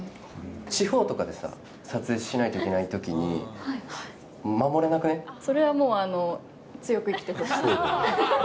地方とかでさ、撮影しないといけないときに、それはもう強く生きてほしい。